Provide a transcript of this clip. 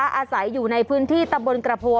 อาศัยอยู่ในพื้นที่ตำบลกระโพ